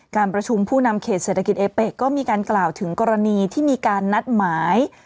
การประชุมผู้นำเขตเศรษฐกิจเอเปะก็มีการกล่าวถึงกรณีที่มีการนัดหมาย